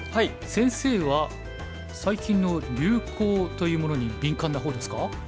先生は最近の流行というものに敏感な方ですか？